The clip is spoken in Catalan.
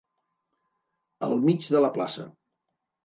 Al mig de la plaça.